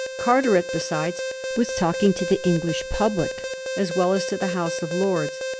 Car teret, besides, was talking to the English public as well as to the House of Lords.